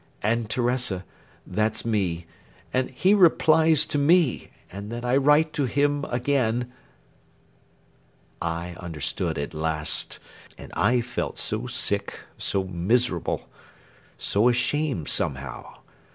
And Teresa that's me, and he replies to me, and then I write to him again..." I understood at last. And I felt so sick, so miserable, so ashamed, somehow.